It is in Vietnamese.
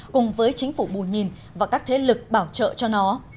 cùng với chính phủ bù nhìn và các thế lực bảo trợ cho nó